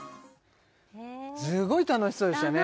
すごい楽しそうでしたね